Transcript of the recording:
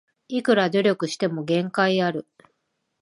いくら努力しても限界ある